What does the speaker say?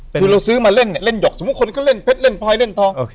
คือเราซื้อมาเล่นเนี่ยเล่นหอกสมมุติคนก็เล่นเพชรเล่นพลอยเล่นทอง